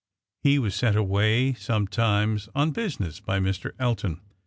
He was sent away sometimes on business by Mr. Elton.